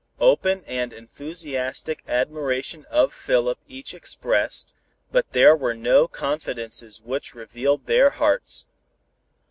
Open and enthusiastic admiration of Philip each expressed, but there were no confidences which revealed their hearts.